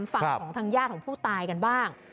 ฟังของทางญาติของผู้ตายกันบ้าง